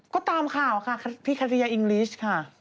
ก็ตามข่าวค่ะพี่คาเทียอิงกลีชค่ะ